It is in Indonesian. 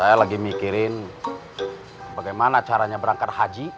saya lagi mikirin bagaimana caranya berangkat haji